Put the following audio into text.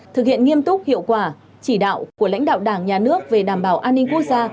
thực hiện nghiêm túc hiệu quả chỉ đạo của lãnh đạo đảng nhà nước về đảm bảo an ninh quốc gia